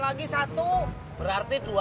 oh seperti itu